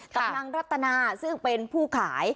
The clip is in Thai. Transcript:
กำลังรัตนาซึ่งเป็นผู้ขาย